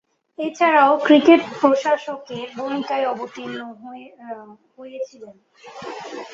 এছাড়াও তিনি ক্রিকেট প্রশাসকের ভূমিকায় অবতীর্ণ হয়েছিলেন।